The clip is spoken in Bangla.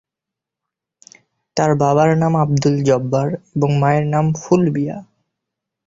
তার বাবার নাম আবদুল জব্বার এবং মায়ের নাম ফুলবিয়া।